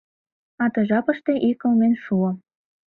А ты жапыште ий кылмен шуо.